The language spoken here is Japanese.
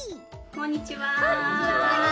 こんにちは。